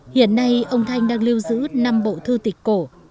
hiện nay ông thanh đang lưu giữ năm bộ thư tịch cổ